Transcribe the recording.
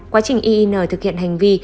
quá trình iin thực hiện hành vi